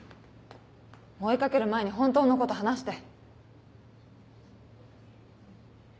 追い掛ける前に本当のこと話して。